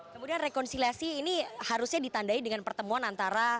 kemudian rekonsiliasi ini harusnya ditandai dengan pertemuan antara